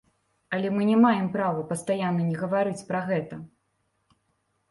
Але мы не маем права пастаянна не гаварыць пра гэта.